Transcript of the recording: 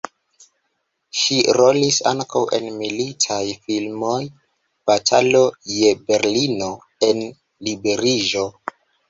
Ŝi rolis ankaŭ en militaj filmoj "Batalo je Berlino" en "Liberiĝo".